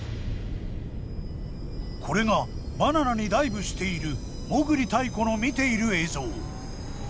これがバナナにダイブしている裳繰泰子の見ている映像。